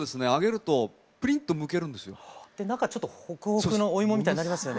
で中ホクホクのお芋みたいになりますよね。